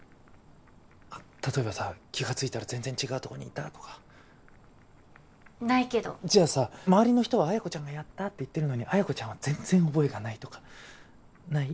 例えばさ気がついたら全然違うとこにいたとかないけどじゃあさ周りの人は彩子ちゃんがやったって言ってるのに彩子ちゃんは全然覚えがないとかない？